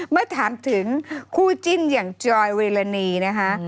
เมื่อถามถึงคู่จิ้นอย่างจอยเวรณีนะคะ